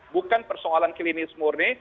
bukan persoalan klinis murni